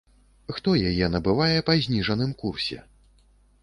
Хто яе набывае па заніжаным курсе?